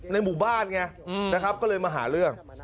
หมู่บ้านไงนะครับก็เลยมาหาเรื่อง